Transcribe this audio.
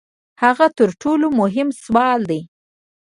هغه تر ټولو مهم سوال دی.